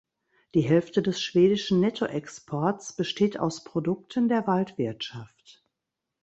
Die Hälfte des schwedischen Nettoexports besteht aus Produkten der Waldwirtschaft.